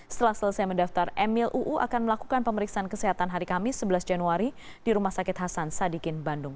setelah selesai mendaftar emil uu akan melakukan pemeriksaan kesehatan hari kamis sebelas januari di rumah sakit hasan sadikin bandung